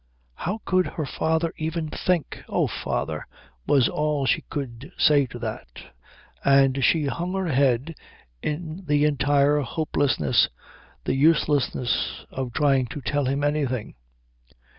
How could her father even think "Oh, father," was all she could say to that; and she hung her head in the entire hopelessness, the uselessness of trying to tell him anything.